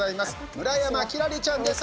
村山輝星ちゃんです。